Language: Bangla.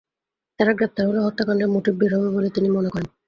তাঁরা গ্রেপ্তার হলে হত্যাকাণ্ডের মোটিভ বের হবে বলে তিনি মনে করেন।